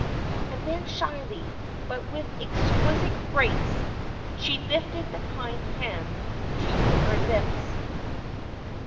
And then shyly, but with exquisite, grace she lifted the kind hand to her lips.